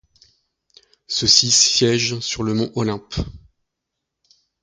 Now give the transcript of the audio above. Ceux-ci siègent sur le Mont Olympe.